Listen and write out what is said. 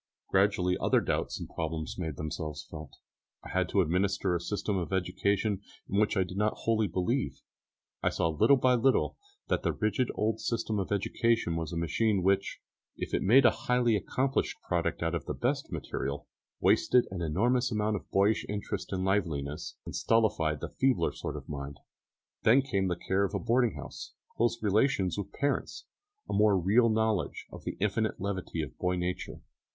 Gradually other doubts and problems made themselves felt. I had to administer a system of education in which I did not wholly believe; I saw little by little that the rigid old system of education was a machine which, if it made a highly accomplished product out of the best material, wasted an enormous amount of boyish interest and liveliness, and stultified the feebler sort of mind. Then came the care of a boarding house, close relations with parents, a more real knowledge of the infinite levity of boy nature.